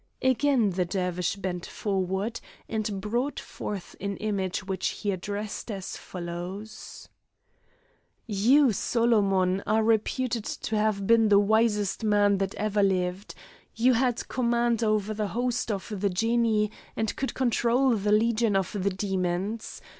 Again the Dervish bent forward and brought forth an image which he addressed as follows: "You, Solomon, are reputed to have been the wisest man that ever lived. You had command over the host of the Genii and could control the legion of the demons.